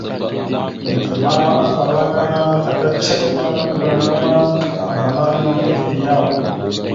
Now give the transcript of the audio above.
Neke ma, afalaŋa ana taka ceŋelara mbarŋa ma, amala no eveɗe yaw ?